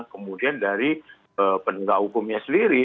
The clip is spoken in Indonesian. kemudian dari penegak hukumnya sendiri